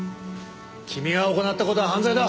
君が行った事は犯罪だ！